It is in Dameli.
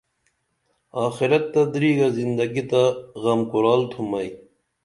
آخرت تہ دریگہ زندگی تہ غم کُرال تُھم ائی